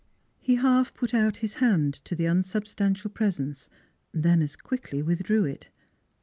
He half put out his hand to the unsubstantial presence, then as quickly withdrew it.